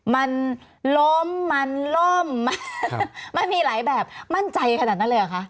มันล้มมันล่มมันมีหลายแบบมั่นใจขนาดนั้นเลยเหรอคะ